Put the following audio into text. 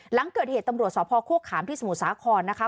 หลังเกิดเหตุตำรวจสพโฆขามที่สมุทรสาครนะคะ